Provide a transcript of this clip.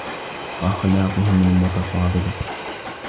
وَأَخْلَاقِهِمْ الْمُتَفَاضِلَةِ